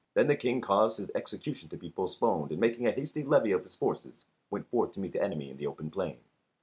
Then the King caused the execution to be postponed, and making a hasty levy of his forces went forth to meet the enemy in the open plain.